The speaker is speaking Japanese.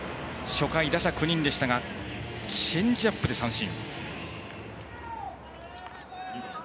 初回、打者９人でしたがチェンジアップで三振。